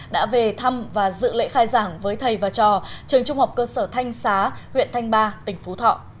đã về thăm và dự lễ khai giảng với thầy và trò trường trung học cơ sở thanh xá huyện thanh ba tỉnh phú thọ